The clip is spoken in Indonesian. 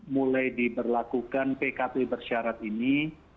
mulai diberlakukan pkp bersyarat ini